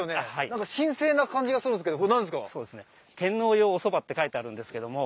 何か神聖な感じがするんですけどこれ何ですか？って書いてあるんですけども。